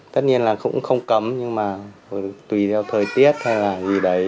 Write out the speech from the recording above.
tất nhiên là cũng không cấm nhưng mà tùy theo thời tiết hay là gì đấy